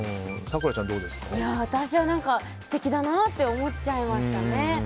私は素敵だなって思っちゃいましたね。